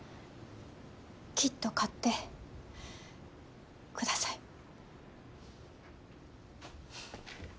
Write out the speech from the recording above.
きっと勝ってください。